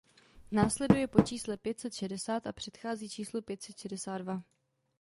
Následuje po čísle pět set šedesát a předchází číslu pět set šedesát dva.